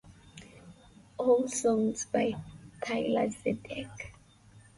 All songs by Thalia Zedek.